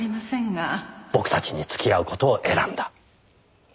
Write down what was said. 僕たちに付き合う事を選んだ。